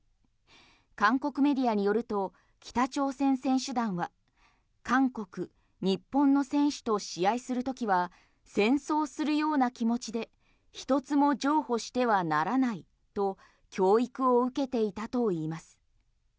韓国メディアによると北朝鮮選手団は韓国、日本の選手と試合する時は戦争するような気持ちで一つも譲歩してはならないと教育を受けていたといいます。